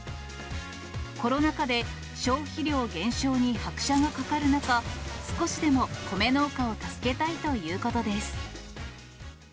コロナ禍で、消費量減少に拍車がかかる中、少しでも米農家を助けたいということです。